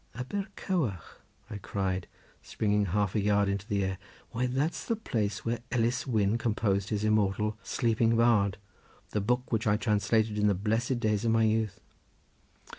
"Aber Cywarch!" I cried, springing half a yard into the air. "Why that's the place where Ellis Wynn composed his immortal Sleeping Bard, the book which I translated in the blessed days of my youth.